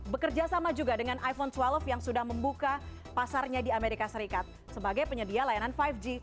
bekerja sama juga dengan iphone dua puluh yang sudah membuka pasarnya di amerika serikat sebagai penyedia layanan lima g